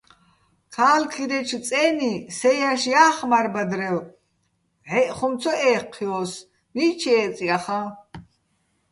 ქა́ლქირეჩო̆ წე́ნი სეჼ ჲაშო̆ ჲა́ხე̆ მარ-ბადრევ, ნჵე́ჸ ხუმ ცო ე́ჴჴჲო́ს, მიჩ ჲე́წე̆ ჲახაჼ.